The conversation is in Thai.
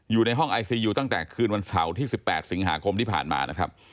อยู่ในห้องไอซียูตั้งแต่คืนวันเสาร์ที่๑๘สิงหาคมที่ผ่านมานะครับ